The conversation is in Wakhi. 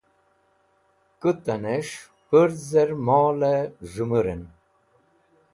Kutanẽs̃h pũrzẽr molẽ z̃hẽmũrẽn.